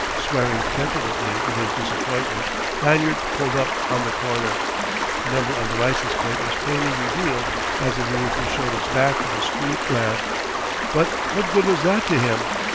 Swearing petulantly in his disappointment, Lanyard pulled up on the corner. The number on the license plate was plainly revealed as the vehicle showed its back to the street lamp. But what good was that to him?